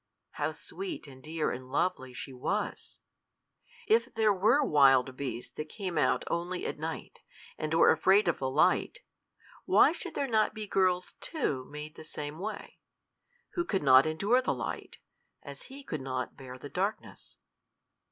How sweet and dear and lovely she was! If there were wild beasts that came out only at night, and were afraid of the light, why should there not be girls too, made the same way who could not endure the light, as he could not bear the darkness?